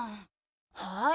はい。